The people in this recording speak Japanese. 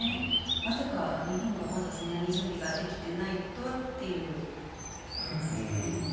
まさか日本がまだそんなに準備ができていないとはというところなんですかね。